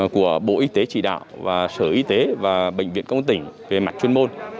của bộ y tế trị đạo và sở y tế và bệnh viện công tỉnh về mặt chuyên môn